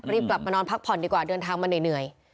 กลับมานอนพักผ่อนดีกว่าเดินทางมาเหนื่อย